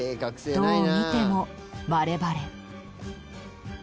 どう見てもバレバレ。